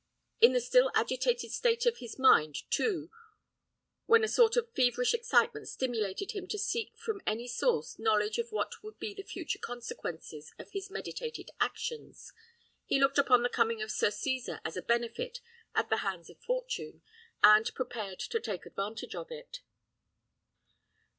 In the still agitated state of his mind, too, when a sort of feverish excitement stimulated him to seek from any source knowledge of what would be the future consequences of his meditated actions, he looked upon the coming of Sir Cesar as a benefit at the hands of Fortune, and prepared to take advantage of it.